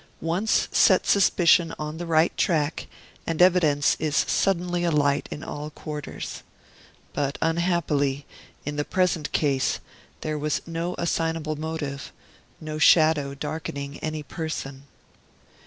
Once set suspicion on the right track, and evidence is suddenly alight in all quarters. But, unhappily, in the present case there was no assignable motive, no shadow darkening any person.